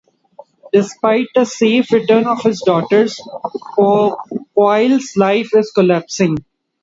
Despite the safe return of his daughters, Quoyle's life is collapsing.